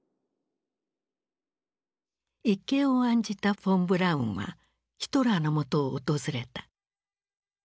一計を案じたフォン・ブラウンはヒトラーのもとを訪れた。